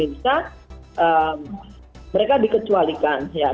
itu yang jangan ya